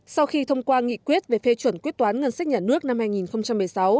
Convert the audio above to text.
sau khi thông qua nghị quyết về phê chuẩn quyết toán ngân sách nhà nước năm hai nghìn một mươi sáu